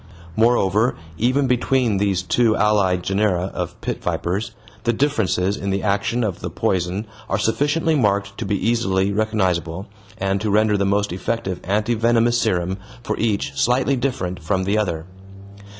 Moreover, even between these two allied genera of pit vipers, the differences in the action of the poison are sufficiently marked to be easily recognizable, and to render the most effective anti venomous serum for each slightly different from the other.